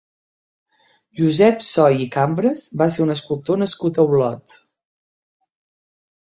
Josep Soy i Cambras va ser un escultor nascut a Olot.